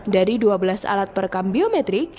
dari dua belas alat perekam biometrik